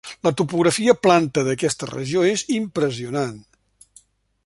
La topografia planta d'aquesta regió és impressionant.